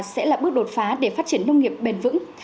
sẽ là bước đột phá để phát triển nông nghiệp bền vững